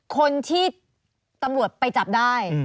คนที่ตำรวจไปจับได้